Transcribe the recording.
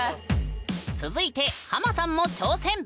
続いてハマさんも挑戦！